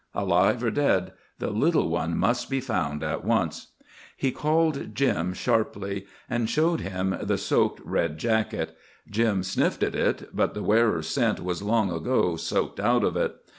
Alive or dead, the little one must be found at once. He called Jim sharply, and showed him the soaked red jacket. Jim sniffed at it, but the wearer's scent was long ago soaked out of it.